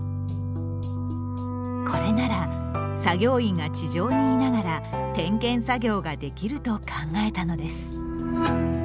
これなら作業員が地上にいながら点検作業ができると考えたのです。